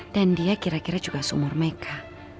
dan dia kira kira juga seumur meka